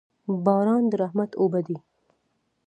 باران د رحمت اوبه دي.